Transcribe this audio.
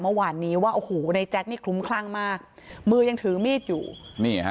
เมื่อวานนี้ว่าโอ้โหในแจ๊คนี่คลุ้มคลั่งมากมือยังถือมีดอยู่นี่ฮะ